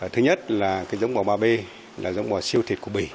thứ nhất là cái giống bò ba b là giống bò siêu thịt của bỉ